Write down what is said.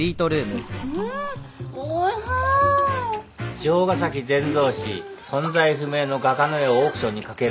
「城ヶ崎善三氏存在不明の画家の絵をオークションにかける」